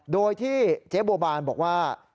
โดยที่เจ๊บัวบานบอกว่า